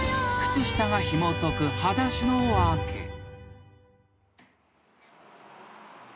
［靴下がひもとくはだしの訳］